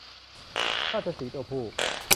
ราชสีห์ตัวผู้